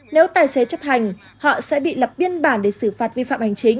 nếu tài xế chấp hành họ sẽ bị lập biên bản để xử phạt vi phạm hành chính